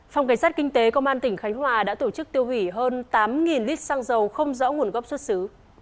phòng cảnh sát kinh tế công an tỉnh khánh hòa đã tổ chức tiêu hủy hơn tám lít xăng dầu không rõ nguồn gốc xuất xứ